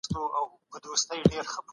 د ښځو ځواکمنتیا د ټولني پرمختګ دی.